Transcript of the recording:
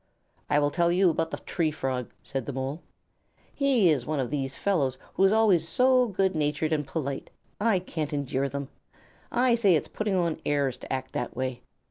"I will tell you about the Tree Frog," said the Mole. "He is one of these fellows who are always just so good natured and polite. I can't endure them. I say it's putting on airs to act that way.